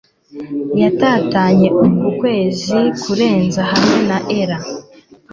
yatatanye ukuntu ukwezi kurenze hamwe na ella